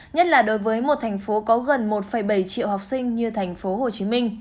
nhất là đối với một thành phố có gần một bảy triệu học sinh như tp hcm